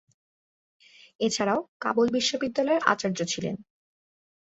এছাড়াও কাবুল বিশ্ববিদ্যালয়ের আচার্য ছিলেন।